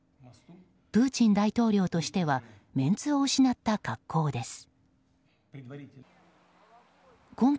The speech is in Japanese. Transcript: プーチン大統領としてはメンツを失った格好です。